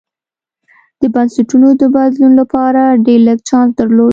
د بنسټونو د بدلون لپاره ډېر لږ چانس درلود.